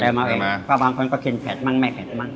เพราะบางคนก็ชินเผ็ดมั้งไม่เผ็ดมั้ง